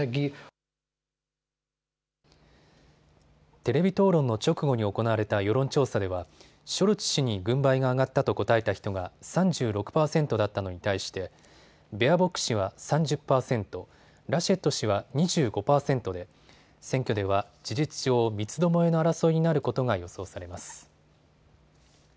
テレビ討論の直後に行われた世論調査ではショルツ氏に軍配が上がったと答えた人が３６％だったのに対してベアボック氏は３０％、ラシェット氏は２５％で選挙では事実上、三つどもえの争いになることが予想されます。